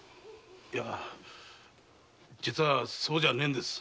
実はそうじゃねぇんです。